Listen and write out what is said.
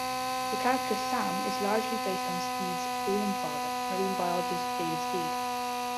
The character Sam is largely based on Stead's own father, marine biologist David Stead.